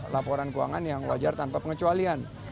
laporan keuangan yang wajar tanpa pengecualian